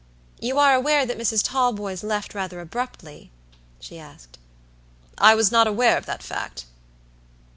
"You are aware that Mrs. Talboys left rather abruptly?" she asked. "I was not aware of that fact."